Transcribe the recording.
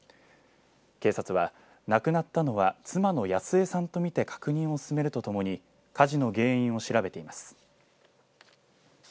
警察は、亡くなったのは妻の安江さんと見て確認を進めるとともに火事の原因を調べています。